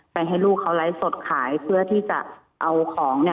ให้ลูกเขาไลฟ์สดขายเพื่อที่จะเอาของ